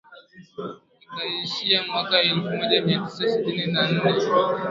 ikaishia mwaka elfu moja mia tisa sitini na nne